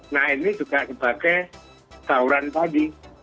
nah ini juga sebagai tauran tadi